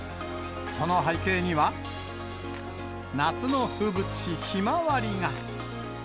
その背景には、夏の風物詩、ひまわりが。